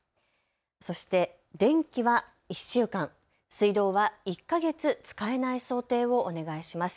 そして電気は１週間、水道は１か月使えない想定をお願いします。